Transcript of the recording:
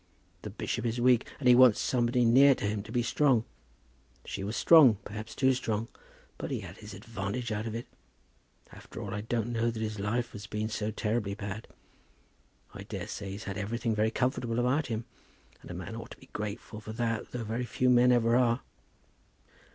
The bishop is weak, and he wants somebody near to him to be strong. She was strong, perhaps too strong; but he had his advantage out of it. After all I don't know that his life has been so terribly bad. I daresay he's had everything very comfortable about him. And a man ought to be grateful for that, though very few men ever are."